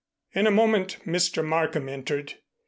In a moment Mr. Markham entered.